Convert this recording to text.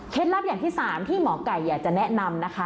ลับอย่างที่๓ที่หมอไก่อยากจะแนะนำนะคะ